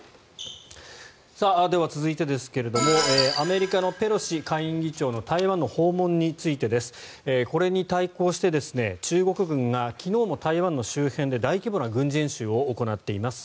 では、続いてですがアメリカのペロシ下院議長の台湾の訪問についてです。これに対抗して中国軍が昨日も台湾の周辺で大規模な軍事演習を行っています。